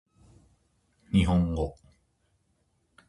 日本語